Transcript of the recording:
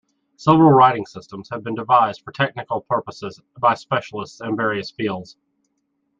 Several writing systems have been devised for technical purposes by specialists in various fields.